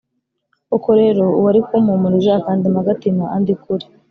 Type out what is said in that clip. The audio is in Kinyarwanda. koko rero uwari kumpumuriza akandema agatima, andi kure.